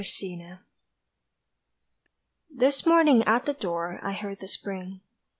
Last Spring THIS morning at the door I heard the Spring.